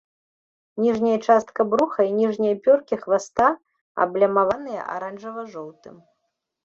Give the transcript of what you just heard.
Ніжняя частка бруха і ніжнія пёркі хваста аблямаваныя аранжава-жоўтым.